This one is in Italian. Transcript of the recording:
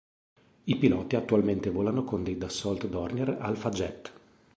I piloti attualmente volano con dei Dassault-Dornier Alpha Jet.